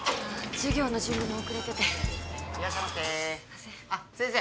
授業の準備も遅れてていらっしゃいませあっ先生